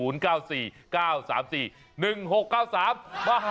มหาสารคาม